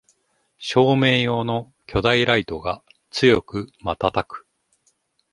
照明用の巨大ライトが強くまたたく